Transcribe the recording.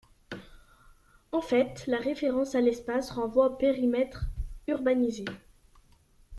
En fait, la référence à l'espace renvoie au périmètre urbanisé.